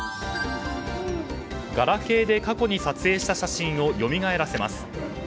ガラケーで過去に撮影した写真をよみがえらせます。